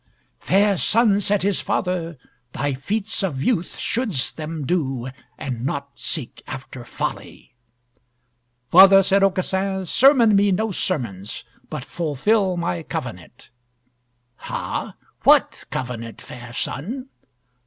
"Fair son," said his father, "thy feats of youth shouldst them do, and not seek after folly." "Father," saith Aucassin, "sermon me no sermons, but fulfill my covenant." "Ha! what covenant, fair son?"